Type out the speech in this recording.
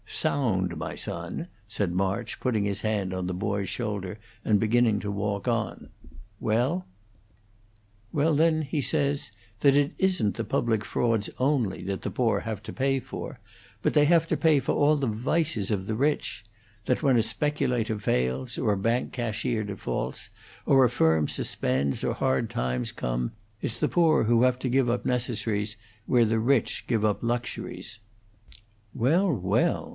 "Sound, my son," said March, putting his hand on the boy's shoulder and beginning to walk on. "Well?" "Well, then, he says that it isn't the public frauds only that the poor have to pay for, but they have to pay for all the vices of the rich; that when a speculator fails, or a bank cashier defaults, or a firm suspends, or hard times come, it's the poor who have to give up necessaries where the rich give up luxuries." "Well, well!